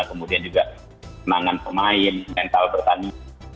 kemudian juga senangan pemain mental bertani